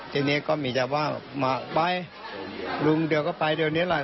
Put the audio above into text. ทีนี้ก็มีแต่ว่ามาไปลุงเดี๋ยวก็ไปเดี๋ยวนี้แหละ